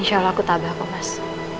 insya allah aku tabah kok mas